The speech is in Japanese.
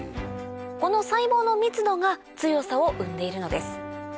この細胞の密度が強さを生んでいるのです